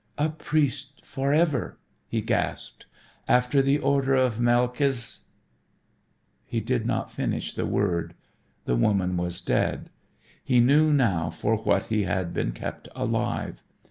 "A priest forever," he gasped, "after the order of Melchis " He did not finish the word. The woman was dead. He knew now for what he had been kept alive.